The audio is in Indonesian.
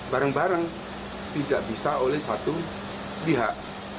barang barang tidak bisa oleh satu pihak